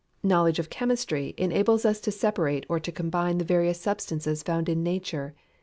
Knowledge of Chemistry enables us to separate or to combine the various substances found in nature.